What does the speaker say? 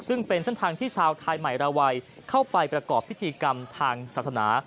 ซึ่งเป็นเส้นทางที่ชาวไทยใหม่ราวัยเข้าไปประกอบพิธีกรรมทางศาสนา